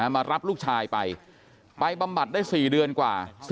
มารับลูกชายไปไปบำบัดได้๔เดือนกว่า